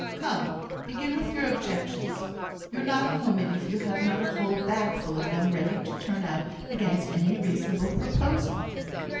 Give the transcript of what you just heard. Come! begin with your objections. You're not a woman if you have not a whole bag full of them ready to turn out against any reasonable proposal."